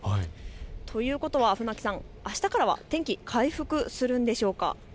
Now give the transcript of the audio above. ということは船木さん、あしたからは天気回復するんでしょうか。